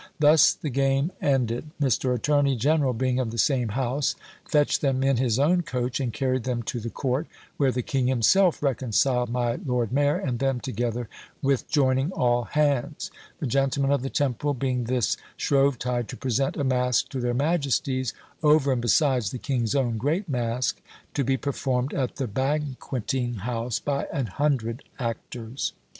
Thus the game ended. Mr. Attorney General, being of the same house, fetched them in his own coach, and carried them to the court, where the King himself reconciled my Lord Mayor and them together with joining all hands; the gentlemen of the Temple being this Shrovetide to present a Mask to their majesties, over and besides the king's own great Mask, to be performed at the Banqueting house by an hundred actors."